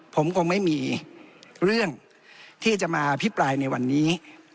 ผมคงไม่มีเรื่องที่จะมาอภิปรายในวันนี้